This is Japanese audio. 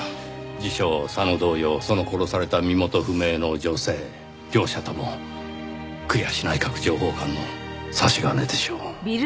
自称佐野同様その殺された身元不明の女性両者とも栗橋内閣情報官の差し金でしょう。